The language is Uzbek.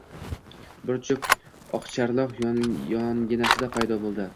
Bir juft oqcharloq yonginasida paydo bo‘ldi